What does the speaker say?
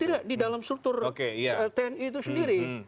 tidak di dalam struktur tni itu sendiri